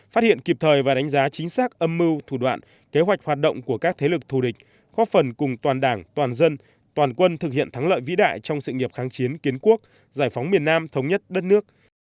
phát hiện kịp thời và đánh giá chính xác âm mưu thủ đoạn kế hoạch hoạt động của các thế lực thù địch góp phần cùng toàn đảng toàn dân toàn quân thực hiện thắng lợi vĩ đại trong sự nghiệp kháng chiến kiến quốc giải phóng miền nam thống nhất đất nước